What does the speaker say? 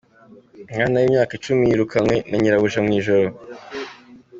Umwana w’imyaka icumi yirukanywe na nyirabuja mu ijoro